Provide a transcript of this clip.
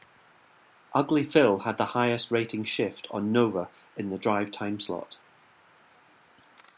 Ugly Phil had the highest rating shift on Nova in the drive timeslot.